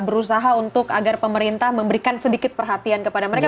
berusaha untuk agar pemerintah memberikan sedikit perhatian kepada mereka